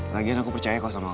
lagian aku percaya kok sama kamu